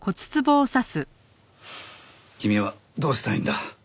君はどうしたいんだ？